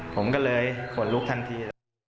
ผมก็เลยขนลุกทันที